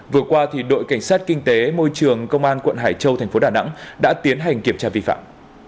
vừa qua đội cảnh sát kinh tế môi trường công an quận hải châu thành phố đà nẵng đã tiến hành kiểm tra vi phạm